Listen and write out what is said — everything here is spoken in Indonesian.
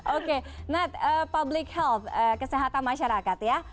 oke net public health kesehatan masyarakat ya